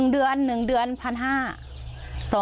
๑เดือน๑เดือน๑๕๐๐บาท